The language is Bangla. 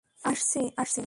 আসছি, আসছি।